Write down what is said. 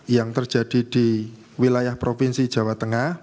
yang terjadi di wilayah provinsi jawa tengah